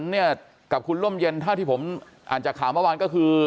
เนี่ยกับคุณร่มเย็นเท่าที่ผมอ่านจากข่าวเมื่อวานก็คือ